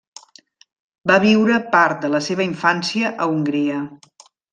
Va viure part de la seva infància a Hongria.